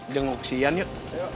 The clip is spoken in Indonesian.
denguk si ian yuk